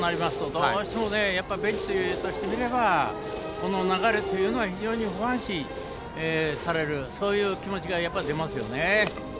どうしてもベンチとしてみればこの流れは非常に不安視される気持ちが出ますよね。